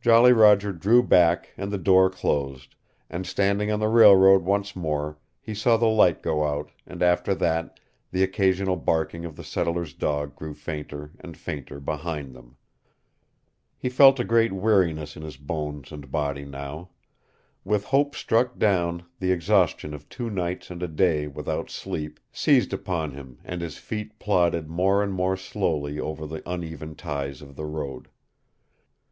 Jolly Roger drew back and the door closed, and standing on the railroad once more he saw the light go out and after that the occasional barking of the settler's dog grew fainter and fainter behind them. He felt a great weariness in his bones and body now. With hope struck down the exhaustion of two nights and a day without sleep seized upon him and his feet plodded more and more slowly over the uneven ties of the road.